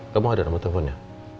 kamu ada nomor teleponnya